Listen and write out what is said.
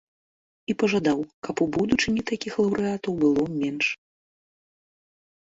І пажадаў, каб у будучыні такіх лаўрэатаў было менш.